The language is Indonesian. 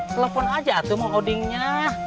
telepon aja tuh mak odingnya